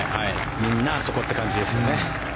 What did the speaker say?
みんな、あそこって感じですよね。